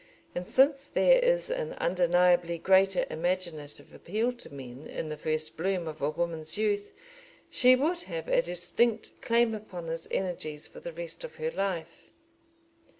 And, since there is an undeniably greater imaginative appeal to men in the first bloom of a woman's youth, she would have a distinct claim upon his energies for the rest of her life.